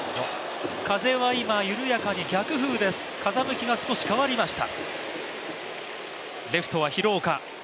風は今緩やかに逆風です、風向きが少し変わりました。